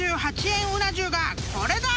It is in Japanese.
［９８円うな重がこれだ！］